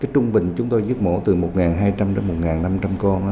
trung bình chúng tôi giết mổ từ một hai trăm linh đến một năm trăm linh con